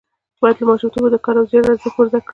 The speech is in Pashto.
باید له ماشومتوبه د کار او زیار ارزښت زده کړو.